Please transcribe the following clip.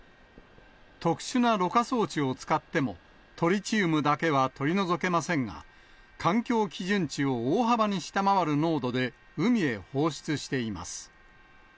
特殊なろ過装置を使っても、トリチウムだけは取り除けませんが、環境基準値を大幅に下回る濃度で海へ放出しています。